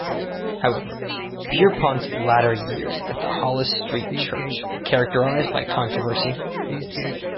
However, Pierpont's latter years at the Hollis Street Church were characterized by controversy.